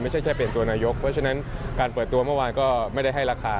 ไม่ใช่แค่เป็นตัวนายกเพราะฉะนั้นการเปิดตัวเมื่อวานก็ไม่ได้ให้ราคา